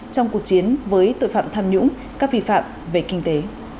trong cuộc chiến với tội phạm tham nhũng các vi phạm về kinh tế